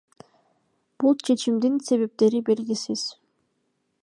Бул чечимдин себептери белгисиз.